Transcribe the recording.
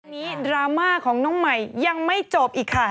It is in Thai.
ดราม่าของน้องใหม่ยังไม่จบอีกค่ะ